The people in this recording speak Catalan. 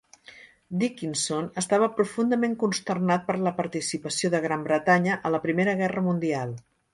Dickinson estava profundament consternat per la participació de Gran Bretanya a la Primera Guerra Mundial.